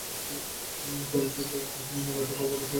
চলচ্চিত্রটির চিত্রায়ন মূলত কলকাতা শহরের মধ্যেই হয়েছে।